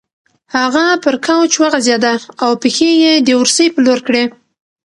هغه پر کوچ وغځېده او پښې یې د اورسۍ په لور کړې.